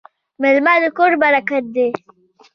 میلمه د کور برکت دی.